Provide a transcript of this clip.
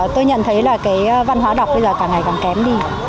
tôi nhận thấy là cái văn hóa đọc bây giờ càng ngày càng kém đi